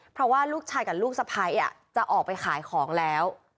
เพราะว่าลูกชายกับลูกสะพ้ายจะออกไปขายของแล้ว